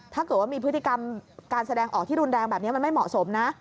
ถ้าเกิดว่ามีพฤติกรรมการแสดงออกที่รุนแรงแบบนี้มันไม่เหมาะสมนะ